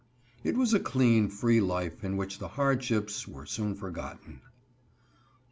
It was a clean, free life in which the hardships were soon forgotten.